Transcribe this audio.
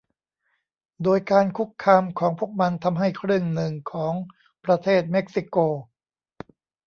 โดยการคุกคามของพวกมันทำให้ครึ่งหนึ่งของประเทศเม็กซิโก